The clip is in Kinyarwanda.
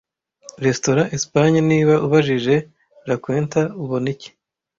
Restaurant Espagne niba ubajije La Quenta ubona iki